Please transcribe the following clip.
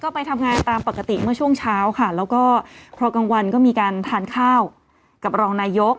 ไปทำงานตามปกติเมื่อช่วงเช้าค่ะแล้วก็พอกลางวันก็มีการทานข้าวกับรองนายก